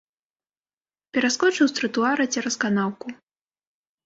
Пераскочыў з тратуара цераз канаўку.